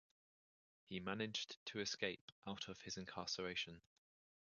He managed to escape out of his incarceration.